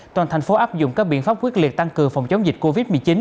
toàn thành phố áp dụng các biện pháp quyết liệt tăng cường phòng chống dịch covid một mươi chín